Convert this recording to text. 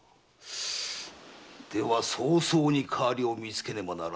では早々に代わりを見つけねばならぬな。